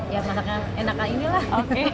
ya enak kali ini lah